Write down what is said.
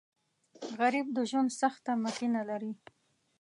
غریب د ژوند سخته مخینه لري